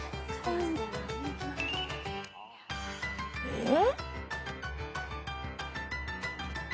えっ？